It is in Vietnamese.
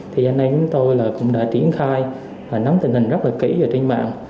thì hiện nay chúng tôi cũng đã triển khai và nắm tình hình rất là kỹ vào trên mạng